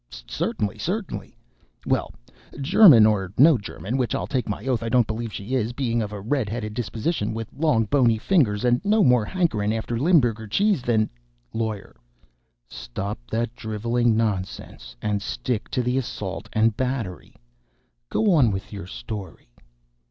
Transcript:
"Certainly certainly. Well, German or no German, which I'll take my oath I don't believe she is, being of a red headed disposition, with long, bony fingers, and no more hankering after Limberger cheese than " LAWYER. "Stop that driveling nonsense and stick to the assault and battery. Go on with your story."